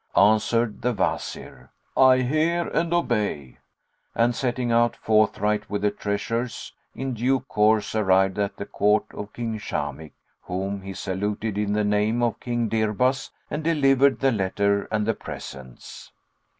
Answered the Wazir, "I hear and obey;" and, setting out forthright with the treasures, in due course arrived at the court of King Shamikh whom he saluted in the name of King Dirbas and delivered the letter and the presents.